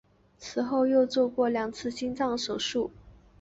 此后又曾做过两次心脏手术。